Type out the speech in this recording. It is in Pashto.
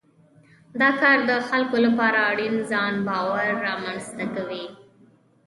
دا کار د خلکو لپاره اړین ځان باور رامنځته کوي.